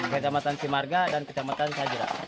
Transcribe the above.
kecamatan simarga dan kecamatan sajera